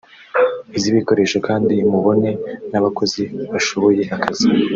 iz’ibikoresho kandi mubone n’abakozi bashoboye akazi”